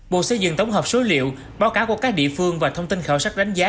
bộ xây dựng tổng hợp số liệu báo cáo của các địa phương và thông tin khảo sát đánh giá